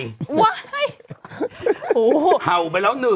โอ้โหเห่าไปแล้วหนึ่ง